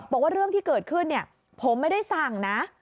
บอกว่าเรื่องที่เกิดขึ้นผมไม่ได้สั่งนะ